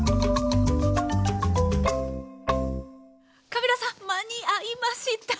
カビラさん間に合いました。